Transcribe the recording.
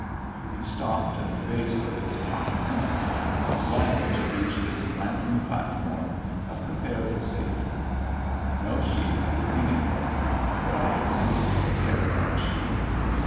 We stopped at the base of its top pinnacle, glad to reach this slanting platform of compara tive safety. No sheep were anywhere, but I had ceased to care about sheep.